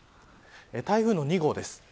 台風２号です。